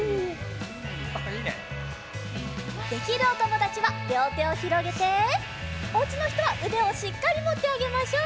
できるおともだちはりょうてをひろげておうちのひとはうでをしっかりもってあげましょう。